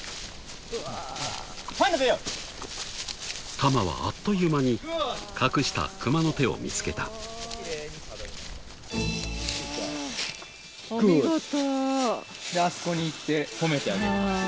［タマはあっという間に隠したクマの手を見つけた］であそこに行って褒めてあげる。